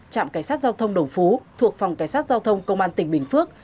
trạm cảnh sát giao thông đồng phú thuộc phòng cảnh sát giao thông công an tỉnh bình phước